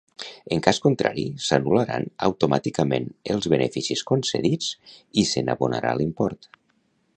En cas contrari s'anul·laran automàticament els beneficis concedits i se n'abonarà l'import.